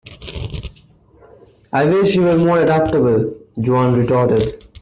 I wish you were more adaptable, Joan retorted.